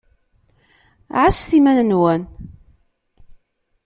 Ɛasset iman-nwen.